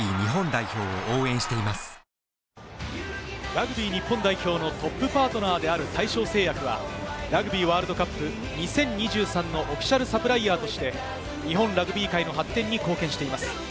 ラグビー日本代表のトップパートナーである大正製薬はラグビーワールドカップ２０２３のオフィシャルサプライヤーとして日本ラグビー界の発展に貢献しています。